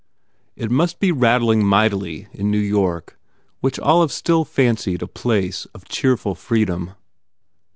It must be rattling mightily in New York which Olive still fancied a place of cheerful freedom.